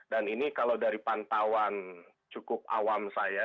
dan ini kalau dari pantauan cukup awam saya